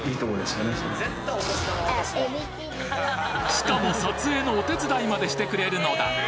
しかも撮影のお手伝いまでしてくれるのだ！